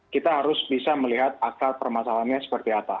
kita harus bisa melihat akar permasalahannya seperti apa